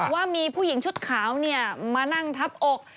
ว่ามีผู้หญิงชุดขาวมานั่งทับอก